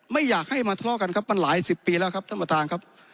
ไม่อยากให้มาทะเลาะกันครับมันหลายสิบปีแล้วครับท่านประธานครับ